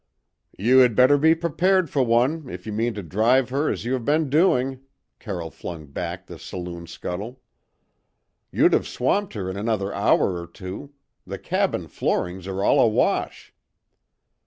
"You had better be prepared for one, if you mean to drive her as you have been doing." Carroll flung back the saloon scuttle. "You'd have swamped her in another hour or two; the cabin floorings are all awash."